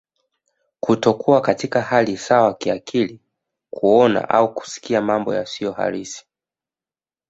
Kutokuwa katika hali sawa kiakili kuona au kusikia mambo yasiyohalisi